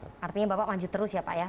artinya bapak lanjut terus ya pak ya